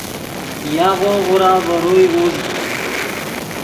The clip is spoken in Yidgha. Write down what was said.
یاغو غورا ڤے روئے اوزد